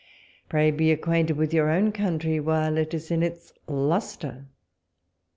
Pray be acquainted with your own country, while it is in its lustre.